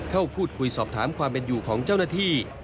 เข้าพูดคุยสอบถามความเป็นอยู่ของเจ้าหน้าที่